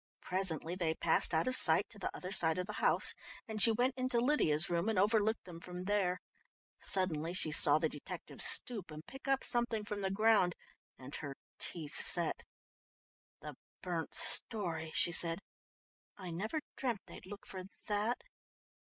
Presently they passed out of sight to the other side of the house, and she went into Lydia's room and overlooked them from there. Suddenly she saw the detective stoop and pick up something from the ground, and her teeth set. "The burnt story," she said. "I never dreamt they'd look for that."